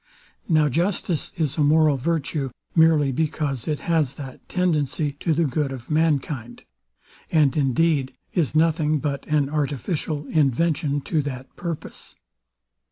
Now justice is a moral virtue, merely because it has that tendency to the good of mankind; and, indeed, is nothing but an artificial invention to that purpose.